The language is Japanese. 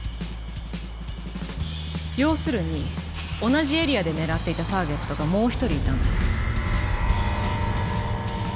要するに同じエリアで狙っていたターゲットがもう一人いたんだ。